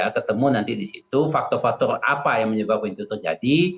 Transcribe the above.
ketemu nanti di situ faktor faktor apa yang menyebabkan itu terjadi